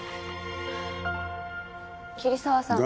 桐沢さん。